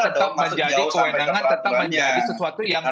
tetap menjadi kewenangan tetap menjadi sesuatu yang